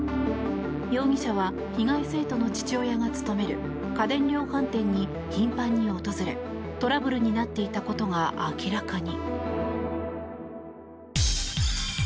容疑者は被害生徒の父親が勤める家電量販店に頻繁に訪れトラブルになっていたことが明らかに。